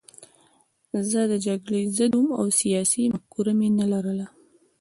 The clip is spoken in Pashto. زه د جګړې ضد وم او سیاسي مفکوره مې نه لرله